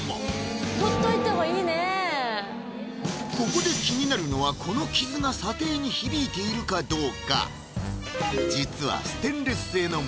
ここで気になるのはこの傷が査定に響いているかどうか？